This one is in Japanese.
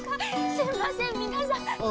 すいません皆さん。